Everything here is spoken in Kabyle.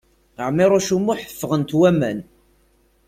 Ɛmiṛuc U Muḥ ffɣent waman.